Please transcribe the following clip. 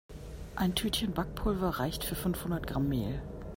Ein Tütchen Backpulver reicht für fünfhundert Gramm Mehl.